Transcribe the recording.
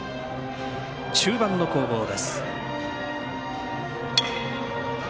中盤の攻防です。